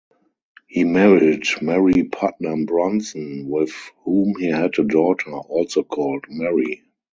He married Mary Putnam Bronson, with whom he had a daughter, also called Mary.